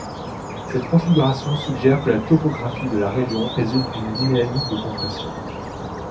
Cette configuration suggère que la topographie de la région résulte d'une dynamique de compression.